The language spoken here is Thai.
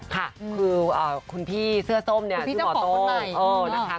ค่ะคือคุณพี่เสื้อส้มเนี่ยคุณพี่เจ้าของคุณใหม่